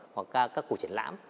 hoặc các cuộc triển lãm